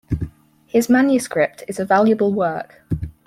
His manuscript is a valuable work.